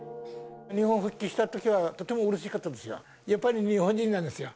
日本に復帰したときはとてもうれしかったんですよ。